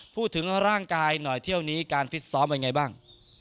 พูดถึงร่างกายหน่อยเที่ยวนี้การฟิตซ้อมเป็นไงบ้าง